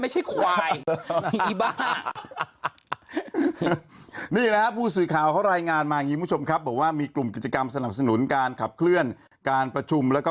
ไม่ใช่ควายบ้านี่นะครับผู้สื่อข่าวเขารายงานมางี้ผู้ชม